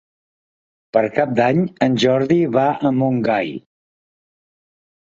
Per Cap d'Any en Jordi va a Montgai.